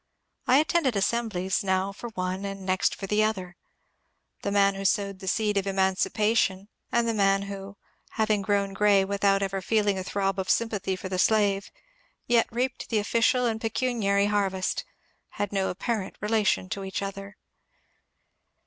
I attended as semblies now for one and next for the other. The man who EX PRESIDENT GRANT 369 sowed the seed of emancipation and the man who, having grown grey without ever feeling a throb of sympathy for the slave, yet reaped the official and pecuniary harvest, had no apparent relation to each other.